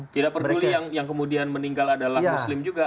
tidak peduli yang kemudian meninggal adalah muslim juga